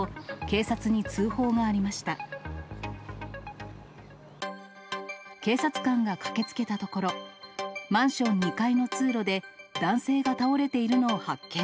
警察官が駆けつけたところ、マンション２階の通路で、男性が倒れているのを発見。